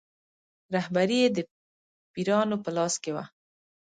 رهبري یې د پیرانو په لاس کې وه.